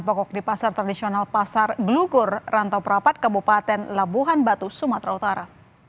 pokok di pasar tradisional pasar gelukur rantau perapat kabupaten labuhan batu sumatera utara